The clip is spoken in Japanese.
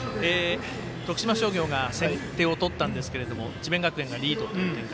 徳島商業が先手を取ったんですけど智弁学園がリードという展開。